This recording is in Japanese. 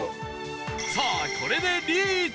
さあこれでリーチ！